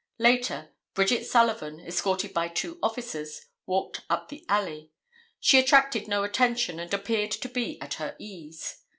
Later, Bridget Sullivan, escorted by two officers, walked up the alley. She attracted no attention and appeared to be at her ease.